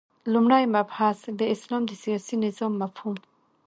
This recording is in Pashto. لومړی مبحث : د اسلام د سیاسی نظام مفهوم